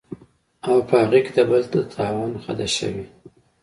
او پۀ هغې کې د بل د تاوان خدشه وي